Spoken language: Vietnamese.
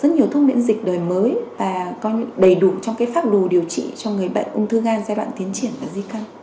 rất nhiều thuốc miễn dịch đời mới và coi đầy đủ trong pháp đồ điều trị cho người bệnh ung thư gan giai đoạn tiến triển và di căn